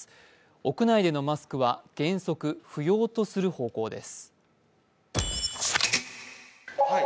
屋内でのマスクは原則不要とする方向です。